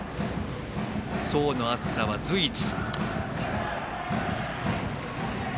層の厚さは随一。